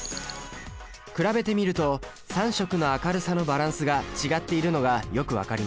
比べてみると３色の明るさのバランスが違っているのがよく分かります。